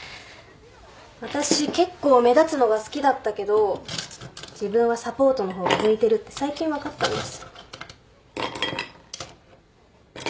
私結構目立つのが好きだったけど自分はサポートの方が向いてるって最近分かったんです。